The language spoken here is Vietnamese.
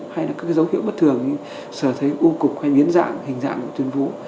hay là các dấu hiệu bất thường sờ thấy u cục hay biến dạng hình dạng của tuyến vũ